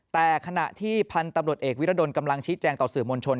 แต่ขณะที่พันธุ์ตำรวจเอกวิรดลกำลังชี้แจงต่อสื่อมวลชน